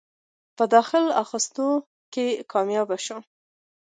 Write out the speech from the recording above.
پۀ داخله اخستو کښې کامياب شو ۔